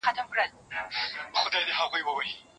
پلمې نه غواړي